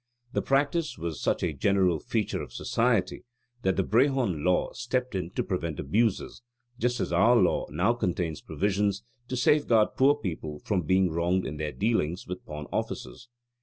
The practice was such a general feature of society that the Brehon Law stepped in to prevent abuses, just as our law now contains provisions to safeguard poor people from being wronged in their dealings with pawn offices.